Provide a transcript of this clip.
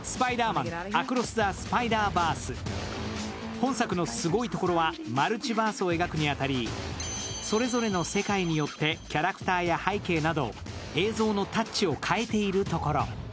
本作のすごいところは、マルチバースを描くに当たり、それぞれの世界によってキャラクターや背景など、映像のタッチを変えているところ。